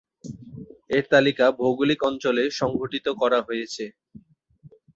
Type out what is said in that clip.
এর তালিকা ভৌগোলিক অঞ্চলে সংগঠিত করা হয়েছে।